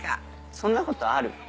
そんなことある？